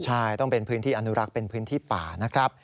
ใช่ต้องเป็นพื้นที่อนุรักษ์เป็นพื้นที่ป่านะครับ